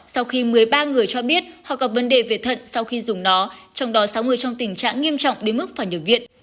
sau khi một mươi ba người cho biết họ gặp vấn đề về thận sau khi dùng nó trong đó sáu người trong tình trạng nghiêm trọng đến mức phải nhập viện